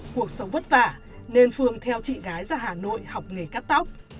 cuộc sống vất vả nên phương theo chị gái ra hà nội học nghề cắt tóc